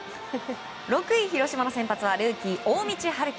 ６位、広島の先発はルーキー、大道温貴。